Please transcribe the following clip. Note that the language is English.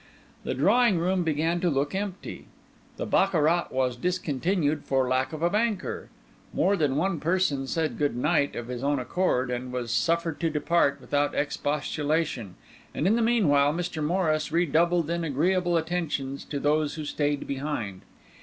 The drawing room began to look empty: the baccarat was discontinued for lack of a banker; more than one person said good night of his own accord, and was suffered to depart without expostulation; and in the meanwhile Mr. Morris redoubled in agreeable attentions to those who stayed behind.